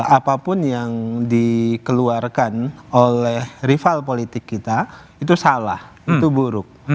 apapun yang dikeluarkan oleh rival politik kita itu salah itu buruk